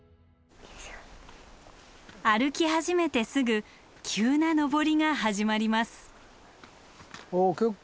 歩き始めてすぐ急な登りが始まります。